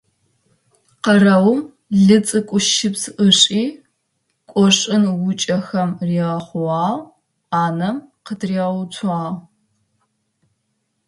Къэрэум лыцӀыкӀущыпс ышӀи, къошын ӀукӀыхьэм ригъэхъуагъ, Ӏанэм къытригъэуцуагъ.